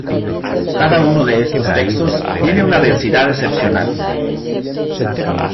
Cada uno de estos textos tiene una densidad excepcional.